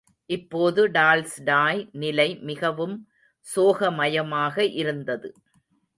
இப்போது டால்ஸ்டாய் நிலை மிகவும் சோக மயமாக இருந்தது.